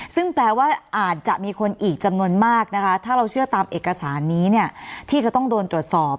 ซึ่งแปลว่าอาจจะมีคนอีกจำนวนมากนะคะถ้าเราเชื่อตามเอกสารนี้เนี่ยที่จะต้องโดนตรวจสอบ